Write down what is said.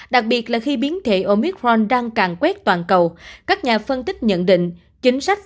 đặc biệt là khi biến thể omithron đang càng quét toàn cầu các nhà phân tích nhận định chính sách